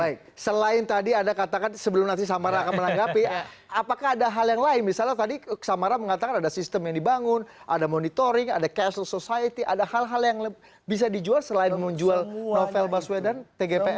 baik selain tadi anda katakan sebelum nanti samara akan menanggapi apakah ada hal yang lain misalnya tadi samara mengatakan ada sistem yang dibangun ada monitoring ada cashles society ada hal hal yang bisa dijual selain menjual novel baswedan tgpf